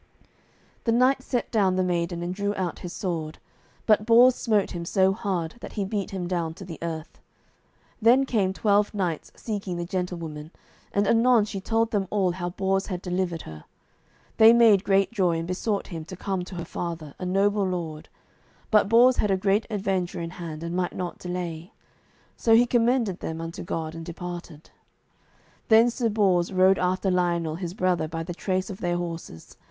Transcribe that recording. The knight set down the maiden, and drew out his sword, but Bors smote him so hard that he beat him down to the earth. Then came twelve knights seeking the gentlewoman, and anon she told them all how Bors had delivered her. They made great joy, and besought him to come to her father, a noble lord; but Bors had a great adventure in hand, and might not delay. So he commended them unto God, and departed. Then Sir Bors rode after Lionel his brother by the trace of their horses.